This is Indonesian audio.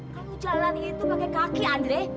kau jalan itu pakai kaki andre